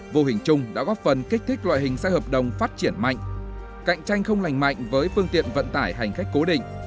vô hình chung đã góp phần kích thích loại hình xe hợp đồng phát triển mạnh cạnh tranh không lành mạnh với phương tiện vận tải hành khách cố định